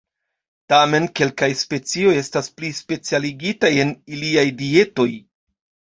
Tamen, kelkaj specioj estas pli specialigitaj en iliaj dietoj.